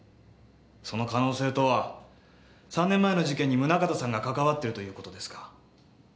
その可能性とは３年前の事件に宗形さんが関わっているという事ですか？